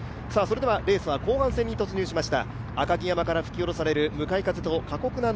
レースは後半戦に突入しました。